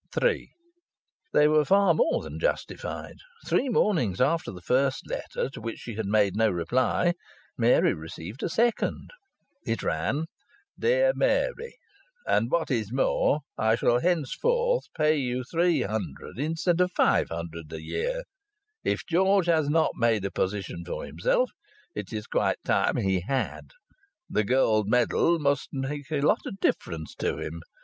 III They were far more than justified. Three mornings after the first letter, to which she had made no reply, Mary received a second. It ran: "DEAR MARY, And what is more, I shall henceforth pay you three hundred instead of five hundred a year. If George has not made a position for himself it is quite time he had. The Gold Medal must make a lot of difference to him.